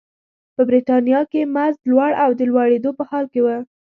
په برېټانیا کې مزد لوړ او د لوړېدو په حال کې و.